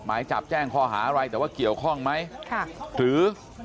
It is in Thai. หมายจับแจ้งข้อหาอะไรแต่ว่าเกี่ยวข้องไหมค่ะหรือ